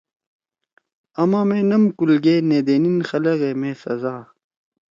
آما مے نم کُل گے نے دینیِن خلگے مے سزاأ